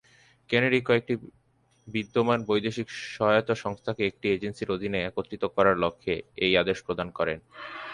Kennedy কয়েকটি বিদ্যমান বৈদেশিক সহায়তা সংস্থাকে একটি এজেন্সির অধীনে একত্রিত করার লক্ষ্যে এই আদেশ প্রদান করেন।